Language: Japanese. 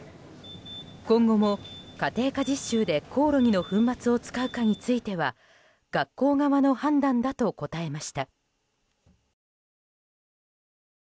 今後も家庭科実習でコオロギの粉末を使うかについては学校側の判断だと答えました。